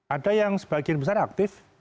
ada yang sebagian besar aktif